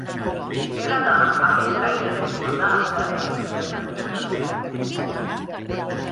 He d'anar a Bellcaire d'Empordà a peu el disset d'octubre a les set.